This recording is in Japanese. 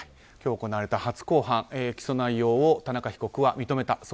今日行われた初公判起訴内容を田中被告は認めた。